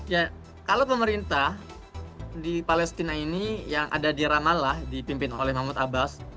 ya kalau pemerintah di palestina ini yang ada di ramallah dipimpin oleh mahmud abbas